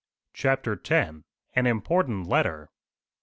CHAPTER X. AN IMPORTANT LETTER.